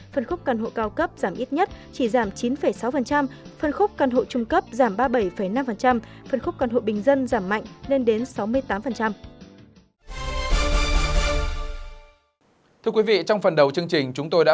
phần khúc căn hộ cao cấp giảm ít nhất chỉ giảm chín sáu